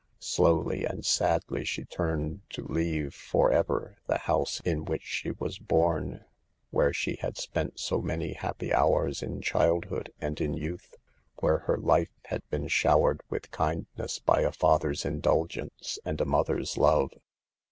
Slowly and sadly she turned to leave, for ever, the house in which she was born ; where she had spent so many happy hours in childhood and in youth ; where her life had been show ered with kindness by a father's indulgence and a mother's love.